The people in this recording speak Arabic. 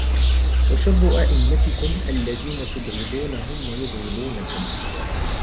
وَشَرُّ أَئِمَّتِكُمْ الَّذِينَ تُبْغِضُونَهُمْ وَيُبْغِضُونَكُمْ